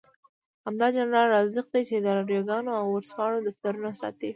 همدا جنرال رازق دی چې د راډيوګانو او ورځپاڼو دفترونه ساتي.